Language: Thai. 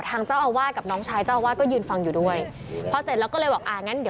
ทางเจ้าอาวาทกับน้องชายนะครับ